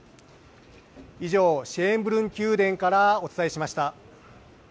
以上、シェーンブルン宮殿からお伝えしました。